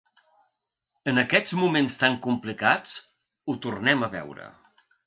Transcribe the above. En aquests moments tan complicats, ho tornem a veure.